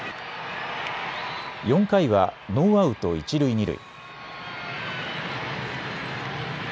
４回はノーアウト一塁二塁。